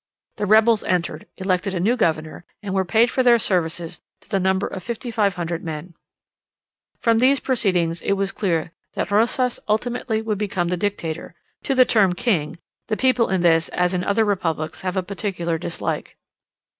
The rebels entered, elected a new governor, and were paid for their services to the number of 5500 men. From these proceedings, it was clear that Rosas ultimately would become the dictator: to the term king, the people in this, as in other republics, have a particular dislike.